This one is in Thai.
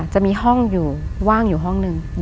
จะมีห้องอยู่ว่างอยู่ห้องหนึ่ง